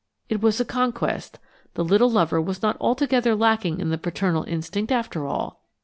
It was a conquest; the little lover was not altogether lacking in the paternal instinct after all!